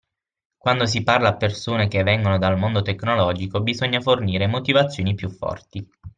Quando si parla a persone che vengono dal mondo tecnologico bisogna fornire motivazioni più forti